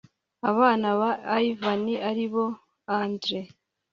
abana ba ivan ari bo andre